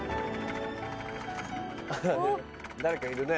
あれ誰かいるね。